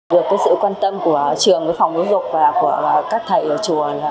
được sự quan tâm của trường phòng ứng dụng và các thầy ở chùa